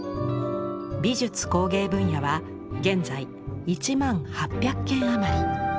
美術工芸分野は現在１万８００件余り。